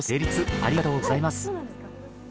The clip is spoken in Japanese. ありがとうございます。